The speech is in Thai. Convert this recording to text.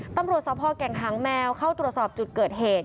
ตำรวจสภแก่งหางแมวเข้าตรวจสอบจุดเกิดเหตุ